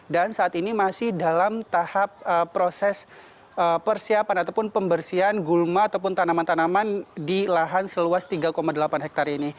dan saat ini masih dalam tahap proses persiapan ataupun pembersihan gulma ataupun tanaman tanaman di lahan seluas tiga dua meter